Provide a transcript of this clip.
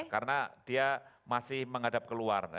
karena dia masih menghadap keluar